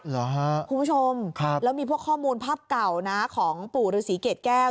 เหรอฮะคุณผู้ชมแล้วมีพวกข้อมูลภาพเก่านะของปู่ฤษีเกรดแก้ว